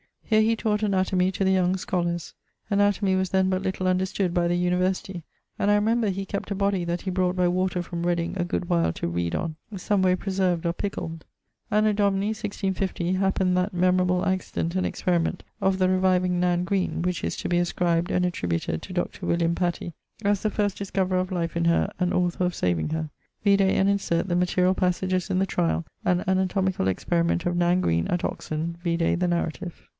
Here he taught anatomy to the young scholars. Anatomy was then but little understood by the university, and I remember he kept a body that he brought by water from Reding a good while to read on, some way preserv'd or pickled. Anno Domini <1650> happened that memorable accident and experiment of the reviving Nan Green, which is to be ascribed and attributed to Dr. William Petty, as the first discoverer of life in her, and author of saving her. Vide and insert the materiall passages in the tryal, and anatomicall experiment of Nan Green at Oxon: vide the narrative.